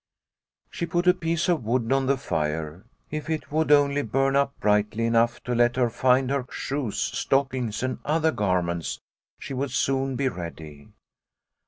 She put a piece of wood on the fire ; if it would only burn up brightly enough to let her find her shoes, stockings, and other garments, she would soon be ready.